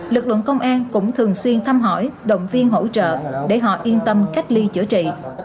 lực lượng công an cũng thường xuyên thăm hỏi động viên hỗ trợ để họ yên tâm cách ly chữa trị